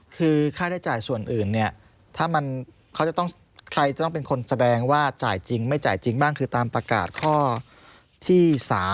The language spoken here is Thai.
คือค่าได้จ่ายส่วนอื่นเนี่ยถ้ามันเขาจะต้องใครจะต้องเป็นคนแสดงว่าจ่ายจริงไม่จ่ายจริงบ้างคือตามประกาศข้อที่๓